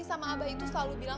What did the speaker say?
sama abah itu selalu bilang